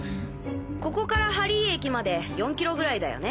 ここから針井駅まで４キロぐらいだよね。